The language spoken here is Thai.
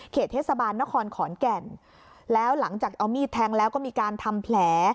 เทศบาลนครขอนแก่นแล้วหลังจากเอามีดแทงแล้วก็มีการทำแผล